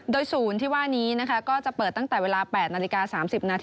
โดยศูนย์ที่ว่านี้จะเปิดตั้งแต่เวลา๘น๓๐น